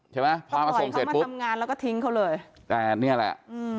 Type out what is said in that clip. ใช่ไหมพอมาส่งเสร็จมาทำงานแล้วก็ทิ้งเขาเลยแต่เนี่ยแหละอืม